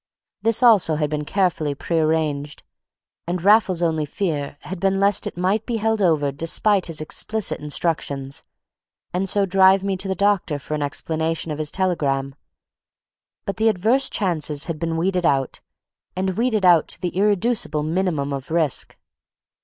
This also had been carefully prearranged; and Raffles's only fear had been lest it might be held over despite his explicit instructions, and so drive me to the doctor for an explanation of his telegram. But the adverse chances had been weeded out and weeded out to the irreducible minimum of risk.